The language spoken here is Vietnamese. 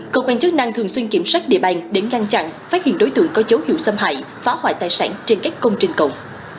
cơ quan chức năng thường xuyên kiểm soát địa bàn để ngăn chặn phát hiện đối tượng có dấu hiệu xâm hại phá hoại tài sản trên các công trình cộng